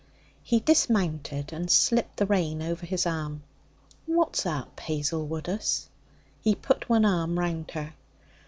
He dismounted and slipped the rein over his arm. 'What's up, Hazel Woodus?' He put one arm round her.